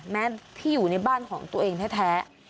ที่อยู่ในบ้านของตัวเองแท้